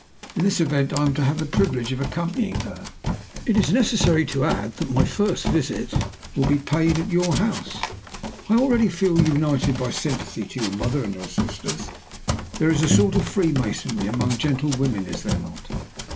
In this event, I am to have t he privilege of accompanying her. Is it necessary to add that my first visit will be paid at your house? I feel already united by sympathy to your mother and your sisters. There is a sort of freemasonry among gentlewomen, is there not?